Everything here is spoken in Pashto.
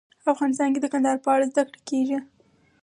افغانستان کې د کندهار په اړه زده کړه کېږي.